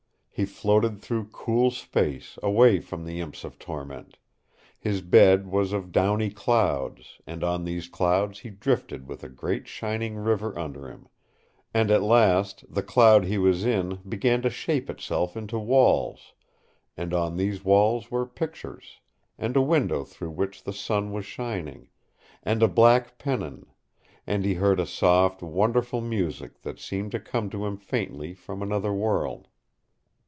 He floated through cool space away from the imps of torment; his bed was of downy clouds, and on these clouds he drifted with a great shining river under him; and at last the cloud he was in began to shape itself into walls and on these walls were pictures, and a window through which the sun was shining, and a black pennon and he heard a soft, wonderful music that seemed to come to him faintly from another world.